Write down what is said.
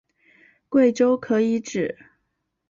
贵州可以指